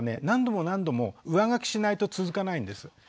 何度も何度も上書きしないと続かないんです。